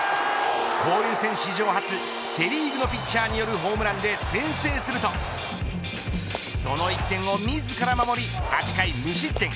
交流戦史上初セ・リーグのピッチャーによるホームランで先制するとその１点を自ら守り８回無失点。